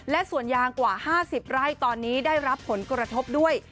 และส่วนยางกว่า๕๐ไร่ตอนนี้ได้รับผลกระทบด้วย